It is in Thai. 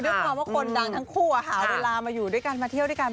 ด้วยความว่าคนดังทั้งคู่หาเวลามาอยู่ด้วยกันมาเที่ยวด้วยกัน